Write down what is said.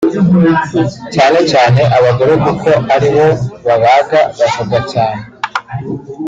cyane cyane abagore kuko ari bo babaga bavuga cyane